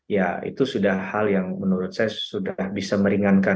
ya itu sudah hal yang menurut saya sudah bisa meringankan